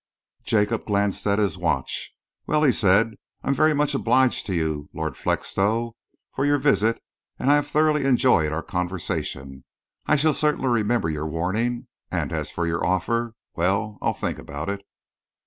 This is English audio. Jacob glanced at his watch. "Well," he said, "I'm very much obliged to you, Lord Felixstowe, for your visit, and I have thoroughly enjoyed our conversation. I shall certainly remember your warning, and as for your offer well, I'll think about it."